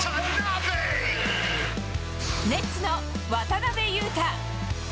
ネッツの渡邊雄太。